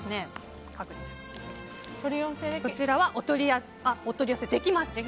こちらはお取り寄せできます。